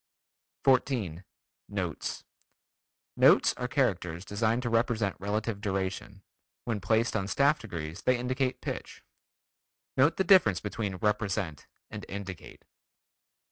14. Notes: Notes are characters designed to represent relative duration. When placed on staff degrees they indicate pitch. (Note the difference between "represent" and "indicate.")